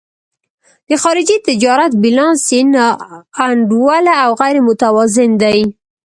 د خارجي تجارت بیلانس یې نا انډوله او غیر متوازن دی.